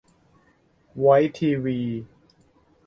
'วอยซ์ทีวี'